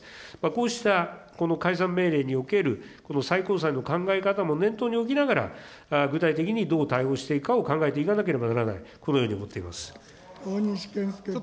こうしたこの解散命令における最高裁の考え方も念頭に置きながら、具体的にどう対応していくかを考えていかなければならない、この大西健介君。